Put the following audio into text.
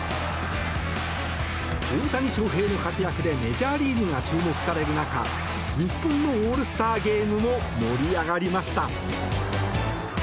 大谷翔平の活躍でメジャーリーグが注目される中日本のオールスターゲームも盛り上がりました。